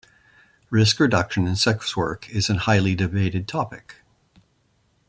Risk reduction in sex work is a highly debated topic.